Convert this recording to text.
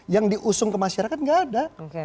yang diusung ke masyarakat nggak ada